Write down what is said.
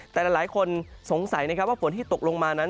แต่หลายคนสงสัยนะครับว่าฝนที่ตกลงมานั้น